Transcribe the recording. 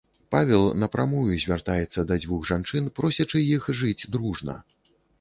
Павел напрамую звяртаецца да дзвух жанчын, просячы іх жыць дружна.